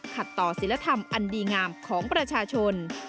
ต่อศิลธรรมอันดีงามของประชาชน